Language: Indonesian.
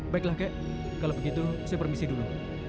baiklah kek kalau begitu saya permisi dulu